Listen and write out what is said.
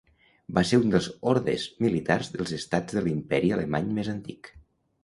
Va ser un dels ordes militars dels estats de l'Imperi Alemany més antic.